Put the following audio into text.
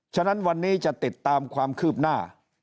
ฉะนั้นวันนี้จะติดตามความคืบหน้า